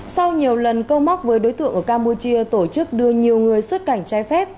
sau nhiều lần câu móc với đối tượng ở campuchia tổ chức đưa nhiều người xuất cảnh trái phép